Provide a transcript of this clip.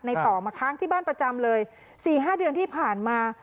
ต่อมาค้างที่บ้านประจำเลย๔๕เดือนที่ผ่านมา